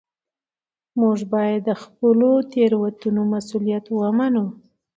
موږ باید د خپلو تېروتنو مسوولیت ومنو